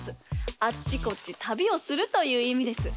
あっちこっち旅をするといういみです。